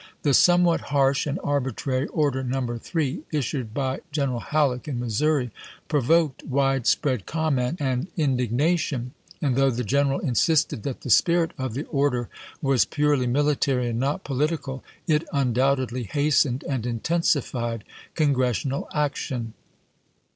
The somewhat harsh and arbitrary Order No. 3, issued by Gleneral Hal leck in Missouri, provoked wide spread comment and indignation ; and though the General insisted that the spirit of the order was purely military and not political, it undoubtedly hastened and in tensified Congressional action.